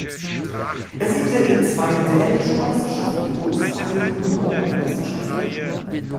Er siegte in zwei dänischen Meisterschaften und zwei Juniorenmeisterschaften.